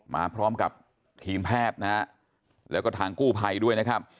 มาพร้อมกับทีมแพทย์นะฮะแล้วก็ทางกู้ภัยด้วยนะครับ